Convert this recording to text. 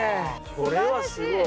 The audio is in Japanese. これはすごい。